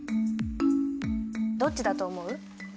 どっちだと思う？